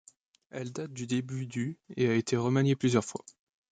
Elle date du début du et a été remaniée plusieurs fois.